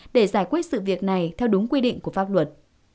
để giải quyết sự việc này theo đúng quy định của pháp luật